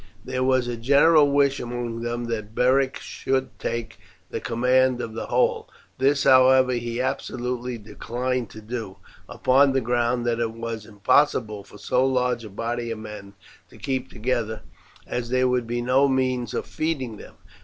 There was a general wish among them that Beric should take the command of the whole. This, however, he absolutely declined to do, upon the ground that it was impossible for so large a body of men to keep together, as there would be no means of feeding them.